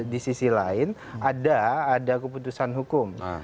di sisi lain ada keputusan hukum